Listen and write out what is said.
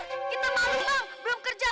kita maut bang belum kerja